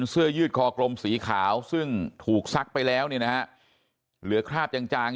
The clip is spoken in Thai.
เสื้อยืชคอกรมสีขาวซึ่งถูกซักไปแล้วนะเหลือคราบจาง